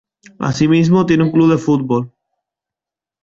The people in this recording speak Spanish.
Asimismo tiene un club de fútbol.